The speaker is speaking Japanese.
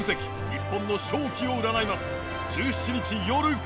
日本の勝機を占います。